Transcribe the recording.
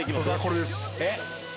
これです。